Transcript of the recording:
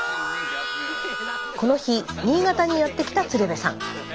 この日新潟にやって来た鶴瓶さん。